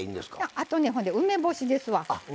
あとね梅干しですわ。